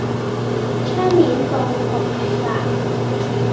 窗簾布紅與白